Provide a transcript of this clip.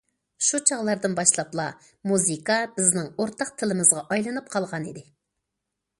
شۇ چاغلاردىن باشلاپلا، مۇزىكا بىزنىڭ ئورتاق تىلىمىزغا ئايلىنىپ قالغانىدى.